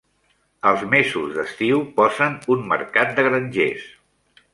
Als mesos d"estiu posen un mercat de grangers.